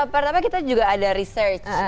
pertama kita juga ada research